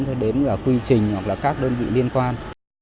cho đến quy trình hoặc là các đơn vị liên quan